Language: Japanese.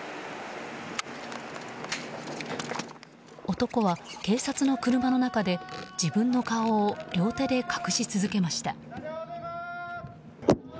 男は、警察の車の中で自分の顔を両手で隠し続けました。